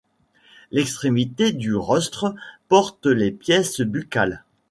L'extrémité du rostre porte les pièces buccales.